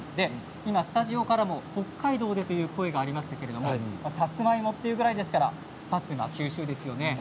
今スタジオからも北海道で？という声が上がりましたけどさつまいもというぐらいですから薩摩、九州ですよね。